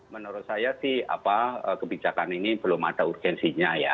menurut saya sih kebijakan ini belum ada urgensinya ya